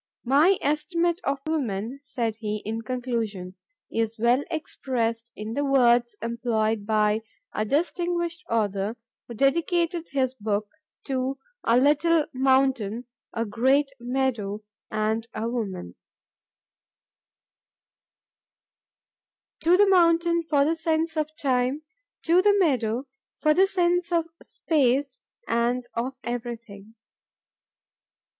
"My estimate of woman," said he, in conclusion, "is well expressed in the words employed by a distinguished author who dedicated his book to a 'Little mountain, a great meadow, and a woman,' 'To the mountain for the sense of time, to the meadow for the sense of space, and of everything.